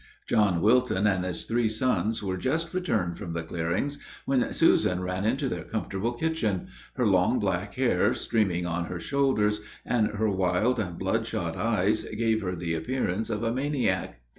John Wilton and his three sons were just returned from the clearings, when Susan ran into their comfortable kitchen; her long, black hair, streaming on her shoulders, and her wild and bloodshot eyes, gave her the appearance of a maniac.